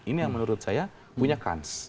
ini yang menurut saya punya kans